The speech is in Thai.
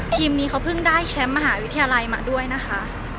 ทีมนี้เขาเพิ่งได้แชมป์มหาวิทยาลัยมาด้วยนะคะ